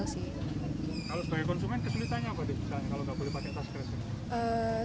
kalau sebagai konsumen kesulitannya apa kalau tidak boleh pakai tas kresek